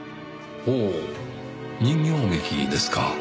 ほう人形劇ですか。